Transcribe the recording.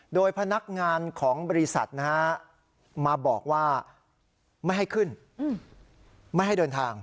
โดยพนักงานของบริษัทมาบอกว่าไม่ให้ขึ้นไม่ให้เดินทาง